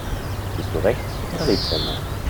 Bist du Rechts- oder Linkshänder?